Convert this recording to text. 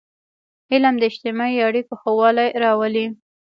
علم د اجتماعي اړیکو ښهوالی راولي.